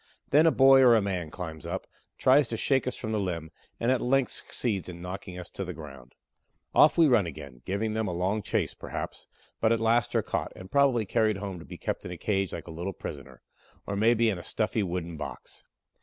Then a boy or man climbs up, tries to shake us from the limb, and at length succeeds in knocking us to the ground. Off we run again, give them a long chase, perhaps, but at last are caught, and probably carried home to be kept in a cage like a little prisoner, or maybe in a stuffy wooden box.